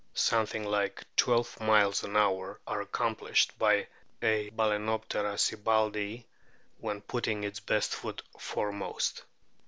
Something like twelve miles an hour are accomplished by a Balcenoptera sibbaldii when putting its best foot foremost.